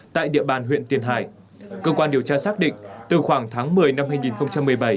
tại địa bàn huyện tiền hải cơ quan điều tra xác định từ khoảng tháng một mươi năm hai nghìn một mươi bảy